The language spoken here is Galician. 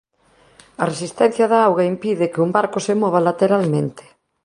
A resistencia da auga impide que un barco se mova lateralmente.